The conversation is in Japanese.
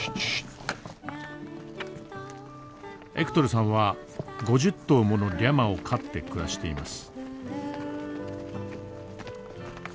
エクトルさんは５０頭ものリャマを飼って暮らしています。